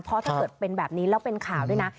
เพราะถ้าเกิดเป็นแบบนี้แล้วเป็นข่าวด้วยนะ